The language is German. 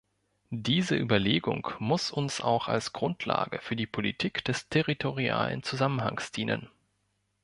Diese Überlegung muss uns auch als Grundlage für die Politik des territorialen Zusammenhangs dienen.